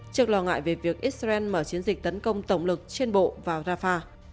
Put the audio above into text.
trước lo ngại về việc israel mở chiến dịch tấn công tổng lực trên bộ vào rafah